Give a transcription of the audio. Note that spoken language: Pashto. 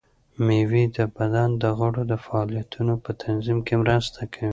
مېوې د بدن د غړو د فعالیتونو په تنظیم کې مرسته کوي.